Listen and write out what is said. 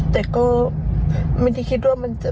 แต่ก็ไม่ได้คิดว่ามันจะ